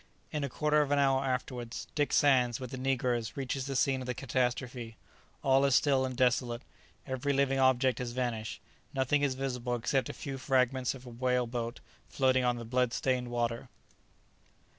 In a quarter of an hour afterwards, Dick Sands, with the negroes, reaches the scene of the catastrophe. All is still and desolate. Every living object has vanished. Nothing is visible except a few fragments of the whale boat floating on the blood stained water.